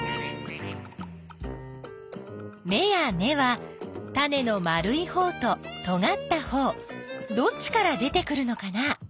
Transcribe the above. めや根はタネの丸いほうととがったほうどっちから出てくるのかな？